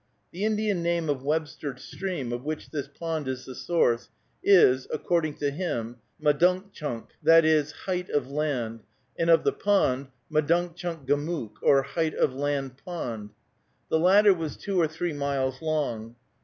The Indian name of Webster Stream, of which this pond is the source, is, according to him, Madunkchunk, i. e., Height of Land, and of the pond, Madunkchunk gamooc, or Height of Land Pond. The latter was two or three miles long.